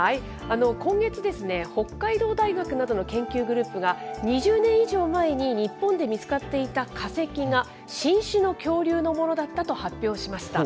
今月ですね、北海道大学などの研究グループが、２０年以上前に日本で見つかっていた化石が新種の恐竜のものだったと発表しました。